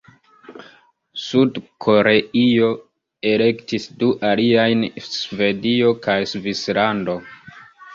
Sud-Koreio elektis du aliajn: Svedio kaj Svislando.